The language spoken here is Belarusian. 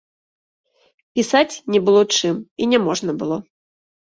Пісаць не было чым, і няможна было.